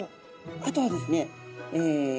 あとはですねえ